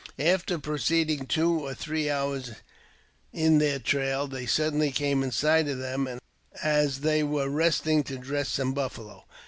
After proceeding two or three hours in their trail, they suddenly came in sight of them as they w^ere resting to dress some buffalo.